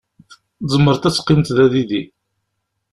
Tzemreḍ ad teqqimeḍ da yid-i.